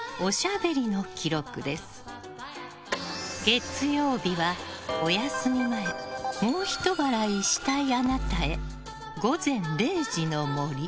月曜日は、お休み前もうひと笑いしたいあなたへ。